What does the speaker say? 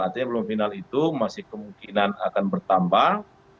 artinya belum final itu masih kemungkinan akan bertambah